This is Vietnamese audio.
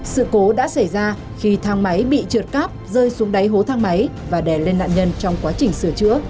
sự cố đã xảy ra khi thang máy bị trượt cáp rơi xuống đáy hố thang máy và đè lên nạn nhân trong quá trình sửa chữa